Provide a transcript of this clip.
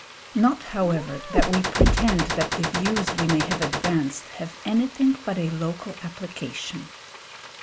Not, however, that we pretend that the views we may have advanced have anything but a local application.